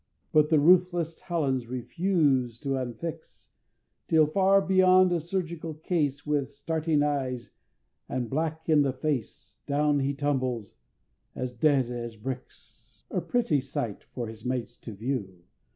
But the ruthless talons refuse to unfix, Till far beyond a surgical case, With starting eyes, and black in the face, Down he tumbles as dead as bricks! A pretty sight for his mates to view!